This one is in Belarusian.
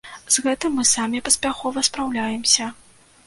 З гэтым мы самі паспяхова спраўляемся.